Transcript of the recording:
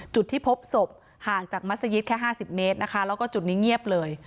จุดที่พบศพห่างจากมัศยิตแค่๕๐เมตรนะคะแล้วก็จุดนี้เงียบเลย